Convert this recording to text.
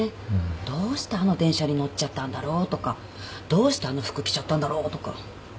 どうしてあの電車に乗っちゃったんだろうとかどうしてあの服着ちゃったんだろうとか。